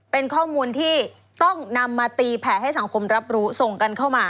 เป็นข้อมูลที่ต้องนำมาตีแผลให้สังคมรับรู้ส่งกันเข้ามา